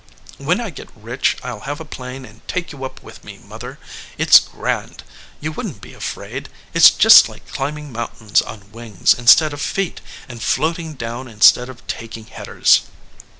When I get rich I ll have a plane and take you up with me, mother. It s grand. You wouldn t be afraid. It s just like climbing mountains on wings instead of feet, and floating down instead of taking headers.